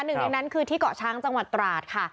หนึ่งในนั้นคือที่เกาะช้างจังหวัดตราดค่ะ